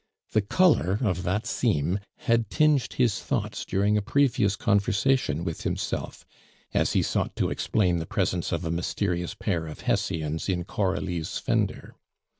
The color of that seam had tinged his thoughts during a previous conversation with himself, as he sought to explain the presence of a mysterious pair of hessians in Coralie's fender.